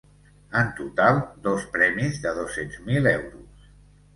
En total, dos premis de dos-cents mil euros.